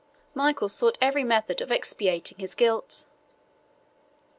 Michael sought every method of expiating his guilt.